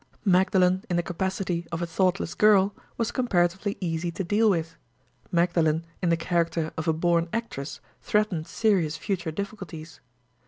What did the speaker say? Magdalen, in the capacity of a thoughtless girl, was comparatively easy to deal with. Magdalen, in the character of a born actress, threatened serious future difficulties.